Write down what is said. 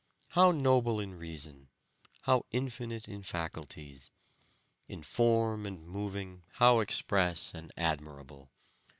How noble in reason! How infinite in faculties! In form and moving how express and admirable!